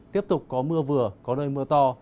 tiếp tục có mưa vừa có nơi mưa to